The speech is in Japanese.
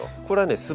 これはね